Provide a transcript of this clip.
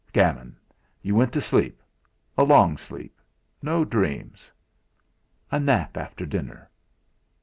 Gammon! You went to sleep a long sleep; no dreams. A nap after dinner!